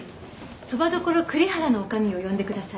そば処くりはらの女将を呼んでください。